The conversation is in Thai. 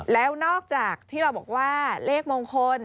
แล้วนอกจากที่เราบอกว่าเลขมงคล